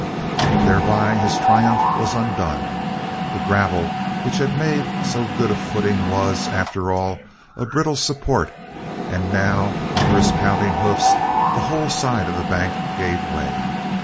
Thereby his triumph was undone! The gravel which made so good a footing was, after all, a brittle support and now, under his pounding hoofs, the whole side of the bank gave way.